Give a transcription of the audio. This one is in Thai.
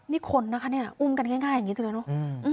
นี่คนนะคะเนี่ยอุ้มกันง่ายอย่างนี้เลยเนอะ